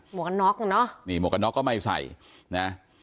วกกันน็อกเนอะนี่หมวกกันน็อกก็ไม่ใส่นะ